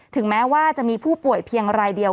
ถึงแม้ว่าจะมีผู้ป่วยเพียงรายเดียว